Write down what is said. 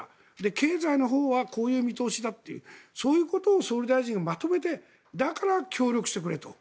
経済のほうはこういう見通しだというこういうことを総理大臣がまとめてだから協力してくれと。